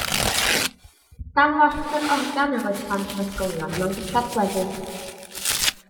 Dan lofft yr organ yr oedd plant yr ysgolion, mewn dillad gweddus.